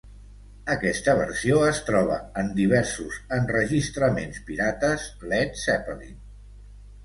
Aquesta versió es troba en diversos enregistraments pirates Led Zeppelin.